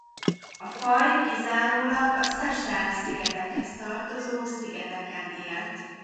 A faj kizárólag a Seychelle-szigetekhez tartozó szigeteken élt.